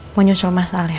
mau nyusul mas al ya